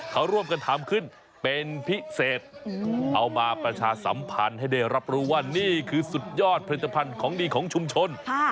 เขาร่วมกันทำขึ้นเป็นพิเศษเอามาประชาสัมพันธ์ให้ได้รับรู้ว่านี่คือสุดยอดผลิตภัณฑ์ของดีของชุมชน